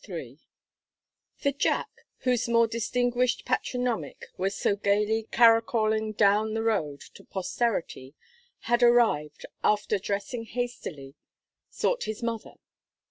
III The "Jack," whose more distinguished patronymic was so gayly caracolling down the road to posterity, had arrived, and after dressing hastily, sought his mother.